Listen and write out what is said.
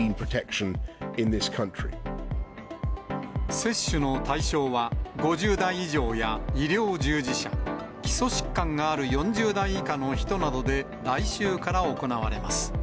接種の対象は、５０代以上や医療従事者、基礎疾患がある４０代以下の人などで、来週から行われます。